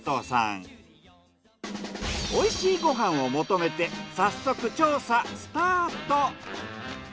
おいしいご飯を求めて早速調査スタート。